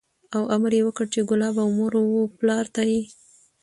او امر یې وکړ چې کلاب او مور و پلار ته یې